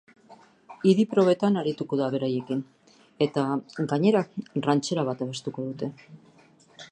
Idi-probetan arituko da beraiekin, eta, gainera, ranchera bat abestuko dute.